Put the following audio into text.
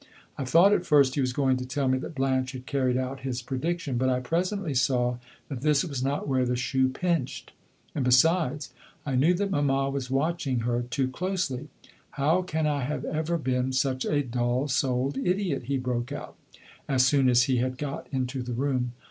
I thought at first he was going to tell me that Blanche had carried out his prediction; but I presently saw that this was not where the shoe pinched; and, besides, I knew that mamma was watching her too closely. 'How can I have ever been such a dull souled idiot?' he broke out, as soon as he had got into the room.